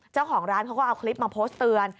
เจ้าของร้านเขาก็เอาคลิปมาโพสต์เตือน